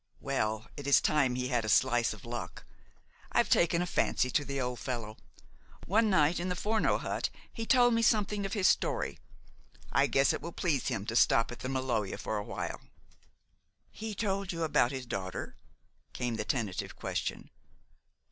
"Well, it is time he had a slice of luck. I've taken a fancy to the old fellow. One night, in the Forno hut, he told me something of his story. I guess it will please him to stop at the Maloja for awhile." "He told you about his daughter?" came the tentative question.